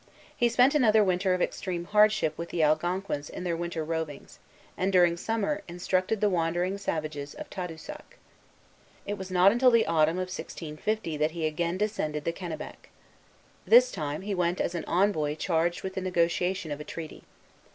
He spent another winter of extreme hardship with the Algonquins on their winter rovings, and during summer instructed the wandering savages of Tadoussac. It was not until the autumn of 1650 that he again descended the Kennebec. This time he went as an envoy charged with the negotiation of a treaty.